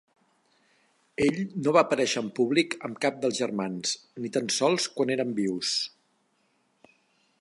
Ell no va aparèixer en públic amb cap dels germans, ni tan sols quan eren vius.